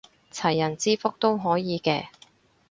齊人之福都可以嘅